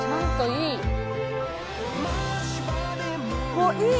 「おっいい！」